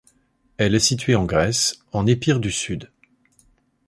Elle est située en Grèce, en Épire du Sud.